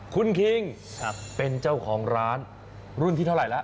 คุณคิงเป็นเจ้าของร้านรุ่นที่เท่าไหร่แล้ว